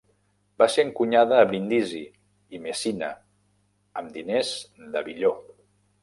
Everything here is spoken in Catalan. Va ser encunyada a Brindisi i Messina amb diners de billó.